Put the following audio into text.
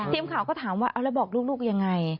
ทีมข่าวก็ถามว่าเอาแล้วบอกลูกยังไง